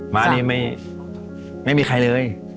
้านี่ไม่มีใครเลย